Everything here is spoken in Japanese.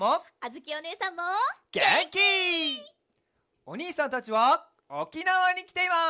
おにいさんたちはおきなわにきています！